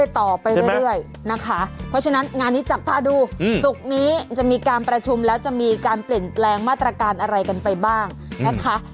ต่อไปเรื่อยนะคะเพราะฉะนั้นงานนี้จับตาดูศุกร์นี้จะมีการประชุมแล้วจะมีการเปลี่ยนแปลงมาตรการอะไรกันไปบ้างนะคะ